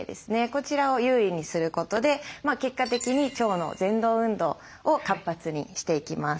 こちらを優位にすることで結果的に腸のぜん動運動を活発にしていきます。